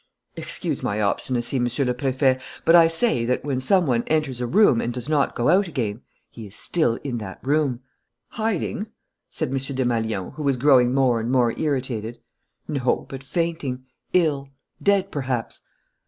"Excuse my obstinacy, Monsieur le Préfet, but I say that, when some one enters a room and does not go out again, he is still in that room." "Hiding?" said M. Desmalions, who was growing more and more irritated. "No, but fainting, ill dead, perhaps."